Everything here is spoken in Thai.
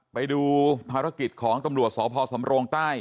ไปดูภารกิจของตำรวจสพสำโรงใต้